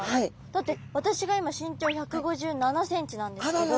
だって私が今身長１５７ｃｍなんですけど。